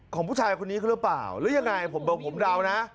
ของผู้ชายคนนี้หรือเปล่าหรือยังไงผมเดานะ